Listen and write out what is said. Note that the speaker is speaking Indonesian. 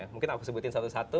mungkin aku sebutin satu satu